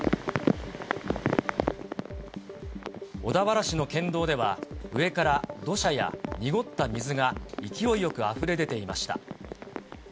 小田原市の県道では、上から土砂や濁った水が勢いよくあふれ出ていました。